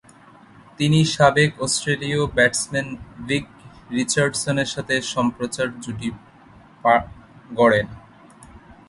তিনি সাবেক অস্ট্রেলীয় ব্যাটসম্যান ভিক রিচার্ডসনের সাথে সম্প্রচার জুটি গড়েন।